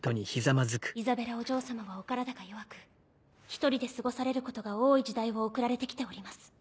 イザベラお嬢様はお体が弱く１人で過ごされることが多い時代を送られて来ております。